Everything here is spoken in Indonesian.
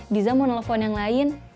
giza mau nelfon yang lain